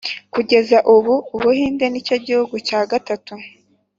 kugeza ubu, ubuhinde nicyo gihugu cya gatatu